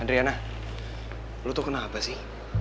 adriana lo tuh kena apa sih